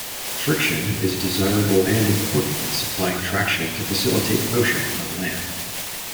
Friction is desirable and important in supplying traction to facilitate motion on land.